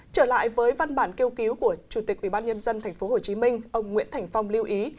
trở lại với văn bản kêu cứu của chủ tịch ubnd tp hcm ông nguyễn thành phong lưu ý